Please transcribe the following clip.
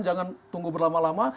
jangan tunggu berlama lama